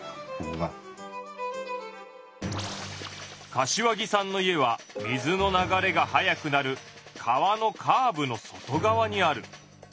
柏木さんの家は水の流れが速くなる川のカーブの外側にある。